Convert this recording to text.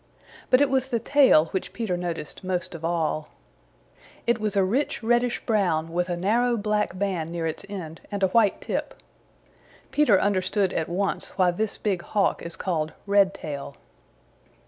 But it was the tail which Peter noticed most of all. It was a rich reddish brown with a narrow black band near its end and a white tip. Peter understood at once why this big Hawk is called Redtail.